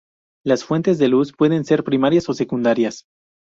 Las fuentes de luz pueden ser primarias o secundarias.